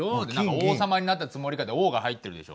「王様になったつもりか」って「王」が入ってるでしょ。